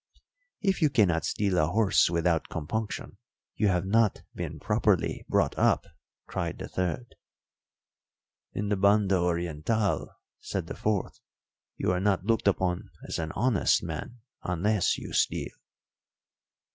"If you cannot steal a horse without compunction, you have not been properly brought up," cried the third. "In the Banda Orientál," said the fourth, "you are not looked upon as an honest man unless you steal."